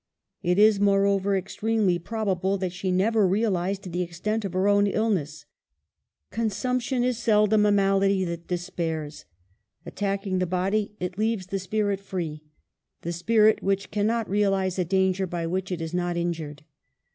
It is, moreover, extremely probable that she never realized the extent of her own illness ; consumption is seldom a malady that despairs ; attacking the body it leaves the spirit 300 EMILY BRONTE. free, the spirit which cannot realize a danger by which it is not injured.